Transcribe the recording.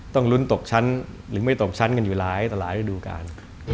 ต้องลุ้นตกชั้นหรือไม่ตกชั้นกันอยู่หลายต่อหลายระดูการ